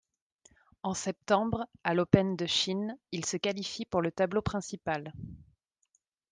En septembre, à l'Open de Chine, il se qualifie pour le tableau principal.